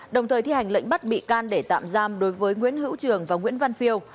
đồng thời thi hành lệnh bắt bị can để tạm giam đối với nguyễn hữu trường và nguyễn văn phiêu